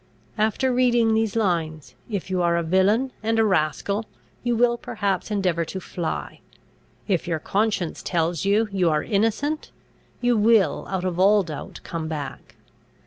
After reading these lines, if you are a villain and a rascal, you will perhaps endeavour to fly; if your conscience tells you, you are innocent, you will, out of all doubt, come back.